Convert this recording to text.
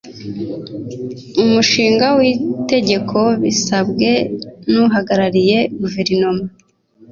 Umushinga w itegeko bisabwe n uhagarariye Guverinoma